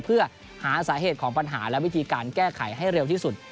เพื่อหาสาเหตุของปัญหาและวิธีการแก้ไขให้เร็วที่สุด